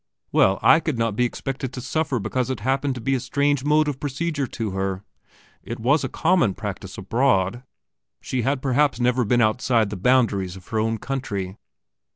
Well, I could not be expected to suffer because it happened to be a strange mode of procedure to her. It was a common practice abroad. She had perhaps never been outside the boundaries of her own country?